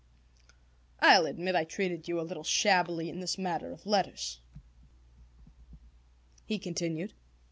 "I'll admit that I treated you a little shabbily in this matter of letters," he continued.